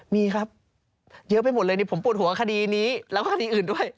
มีครับเยอะไปหมดเลยผมปวดหัวคดีนี้แล้วก็คดีอื่นด้วย